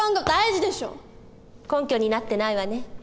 根拠になってないわね。